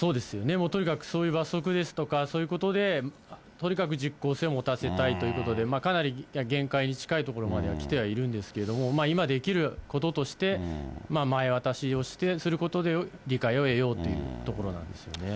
もうとにかく、そういう罰則ですとか、そういうことで、とにかく実効性を持たせたいということで、かなり限界に近いところまでは来ているんですけれども、今できることとして、前渡しをすることで、理解を得ようというところなんですよね。